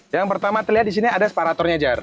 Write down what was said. yang pertama terlihat di sini ada separatornya jar